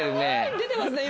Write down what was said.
出てますね今。